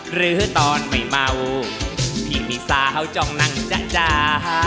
หรือตอนไม่เมาพี่มีสาวจองนั่งจ่ะจ่า